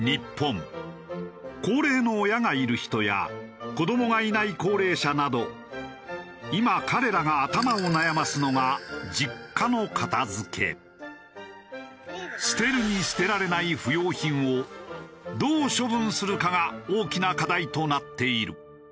高齢の親がいる人や子どもがいない高齢者など今彼らが頭を悩ますのが捨てるに捨てられない不用品をどう処分するかが大きな課題となっている。